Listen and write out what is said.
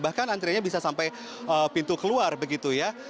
bahkan antriannya bisa sampai pintu keluar begitu ya